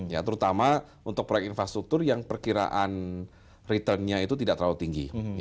ya terutama untuk proyek infrastruktur yang perkiraan returnnya itu tidak terlalu tinggi